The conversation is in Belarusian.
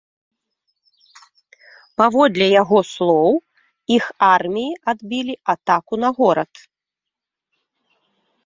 Паводле яго слоў, іх арміі адбілі атаку на горад.